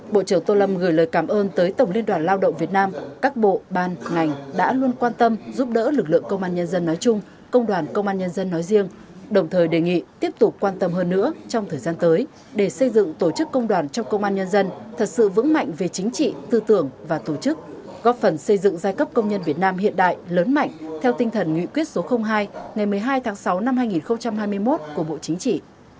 bộ trưởng tô lâm gửi lời cảm ơn tới tổng liên đoàn lao động việt nam các bộ ban ngành đã luôn quan tâm giúp đỡ lực lượng công an nhân dân nói chung công đoàn công an nhân dân nói riêng đồng thời đề nghị tiếp tục quan tâm hơn nữa trong thời gian tới để xây dựng tổ chức công đoàn trong công an nhân dân thật sự vững mạnh về chính trị tư tưởng và tổ chức góp phần xây dựng giai cấp công nhân việt nam hiện đại lớn mạnh theo tinh thần nghị quyết số hai ngày một mươi hai tháng sáu năm hai nghìn hai mươi một của bộ chính trị